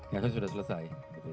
ya itu sudah selesai